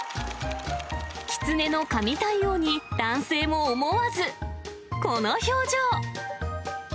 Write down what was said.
キツネの神対応に、男性も思わず、この表情。